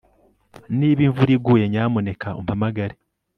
Niba imvura iguye nyamuneka umpamagare